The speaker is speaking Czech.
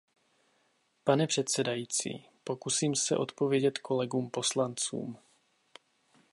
Pane předsedající, pokusím se odpovědět kolegům poslancům.